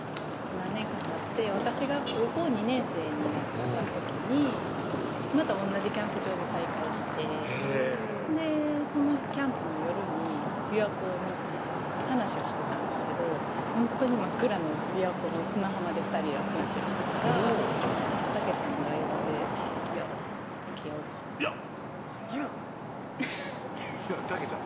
何年かたって私が高校２年生になった時にまた同じキャンプ場で再会してへぇそのキャンプの夜に琵琶湖を見て話をしてたんですけどほんとに真っ暗の琵琶湖の砂浜で２人で話をしてたらたけちゃんが横で「つきあおか」いやっあらいやたけちゃん